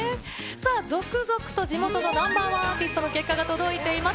さあ、続々と地元のＮｏ．１アーティストの結果が届いています。